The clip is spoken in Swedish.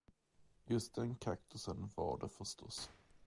Just den kaktusen var det förstås.